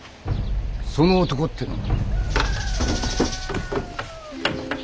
その男ってのが。